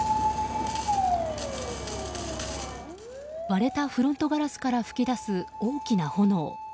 割れたフロントガラスから噴き出す、大きな炎。